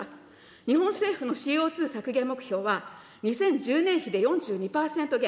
日本政府のＣＯ２削減目標は、２０１０年比で４２％減。